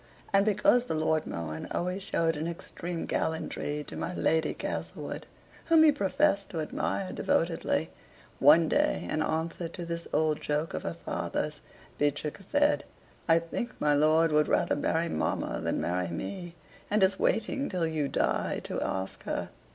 And because the Lord Mohun always showed an extreme gallantry to my Lady Castlewood, whom he professed to admire devotedly, one day, in answer to this old joke of her father's, Beatrix said, "I think my lord would rather marry mamma than marry me; and is waiting till you die to ask her."